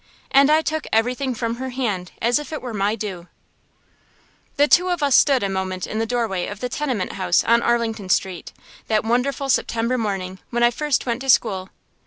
And I took everything from her hand as if it were my due. The two of us stood a moment in the doorway of the tenement house on Arlington Street, that wonderful September morning when I first went to school.